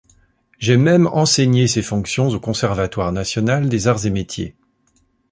J'ai même enseigné ces fonctions au Conservatoire national des arts et métiers.